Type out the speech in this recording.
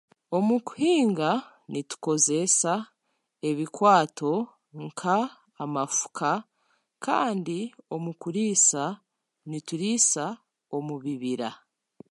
Omukuhinga nitukozesa ebikwaato nka amafuka kandi omukuriisa nituriisa omubibira.